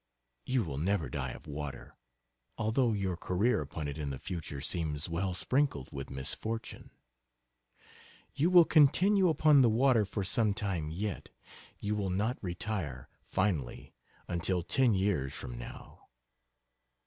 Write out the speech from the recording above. You will never die of water, although your career upon it in the future seems well sprinkled with misfortune. You will continue upon the water for some time yet; you will not retire finally until ten years from now....